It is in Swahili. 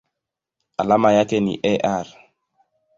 Alama yake ni Ar.